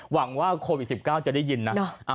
หวังว่าโควิด๑๙จะได้ยินนะ